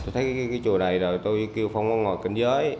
tôi thấy cái chỗ này rồi tôi kêu phong ngôn ngòi kinh giới